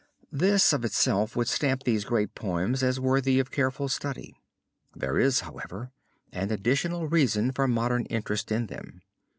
This of itself would stamp these great poems as worthy of careful study. There is, however, an additional reason for modern interest in them.